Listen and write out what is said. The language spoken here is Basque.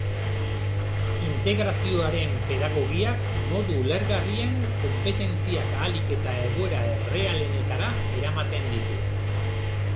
Integrazioaren pedagogiak modu ulergarrian konpetentziak ahalik eta egoera errealenetara eramaten ditu.